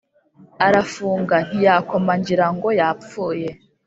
Arafunga ntiyakoma ngirango yapfuye